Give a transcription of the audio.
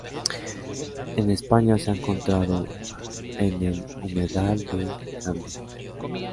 En España se ha encontrado en el humedal de Gandía.